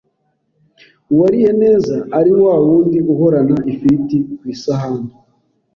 uwariye neza ari wawundi uhorana ifiriti ku isahane.